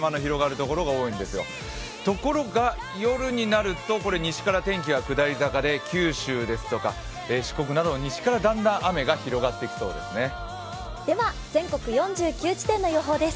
ところが、夜になると西から天気が下り坂で九州ですとか四国など西からだんだん雨が広がってきそうです。